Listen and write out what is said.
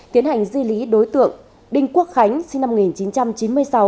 tiến hành di lý đối tượng đinh quốc khánh sinh năm một nghìn chín trăm chín mươi sáu